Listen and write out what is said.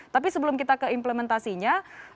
tapi sebelum kita ke implementasinya